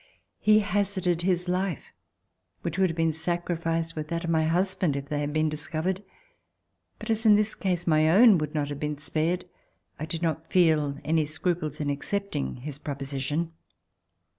He hazarded his life, which would have been sacrificed with that of my husband if they had been discovered ; but as in this case my own would not have been spared, I did not feel any scruples in accepting his proposition.